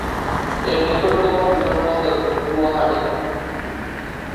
এর নিকটতম বিমানবন্দর গুয়াহাটিতে।